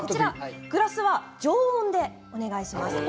グラスは常温でお願いします。